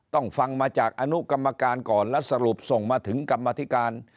ต้องฟังมาจากอนุกรรมการก่อนและสรุปส่งมาถึงกรรมธิการ